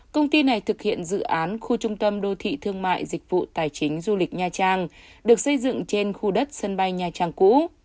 công ty này thực hiện dự án khu trung tâm đô thị thương mại dịch vụ tài chính du lịch nha trang được xây dựng trên khu đất sân bay nha trang cũ